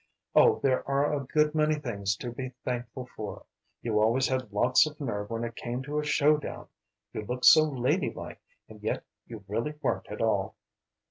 Oh there are a good many things to be thankful for. You always had lots of nerve when it came to a show down. You looked so lady like, and yet you really weren't at all."